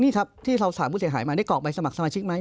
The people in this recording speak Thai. นี่ครับที่เราถามผู้เสียหายมาได้กรอกใบสมัครสมาชิกไหม